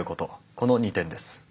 この２点です。